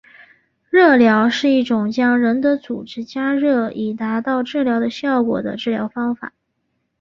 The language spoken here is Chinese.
热疗是一种将人的组织加热以达到治疗的效果的治疗方式。